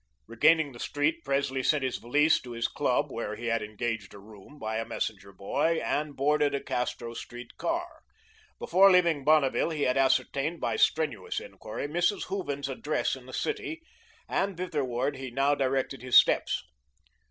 Regaining the street, Presley sent his valise to his club (where he had engaged a room) by a messenger boy, and boarded a Castro Street car. Before leaving Bonneville, he had ascertained, by strenuous enquiry, Mrs. Hooven's address in the city, and thitherward he now directed his steps.